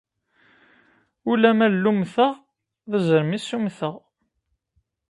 Ulamma llumteɣ d azrem i ssummteɣ.